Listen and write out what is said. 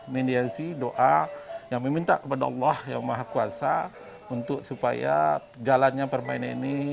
mediasi doa yang meminta kepada allah yang maha kuasa untuk supaya jalannya permainan ini